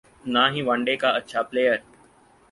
نہ ہی one day کا اچھا پلئیر